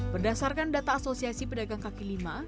berdasarkan data asosiasi pedagang kaki lima